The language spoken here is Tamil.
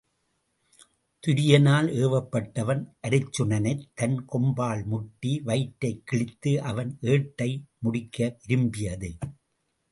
துரியனால் ஏவப்பட்டவன் அருச்சுனனைத் தன் கொம்பால் முட்டி வயிற்றைக் கிழித்து அவன் ஏட்டை முடிக்கவிரும்பியது.